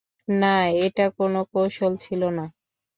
না, এটা কোন কৌশল ছিল না।